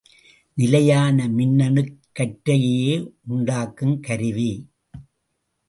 நிலையான மின்னணுக் கற்றையை உண்டாக்குங் கருவி.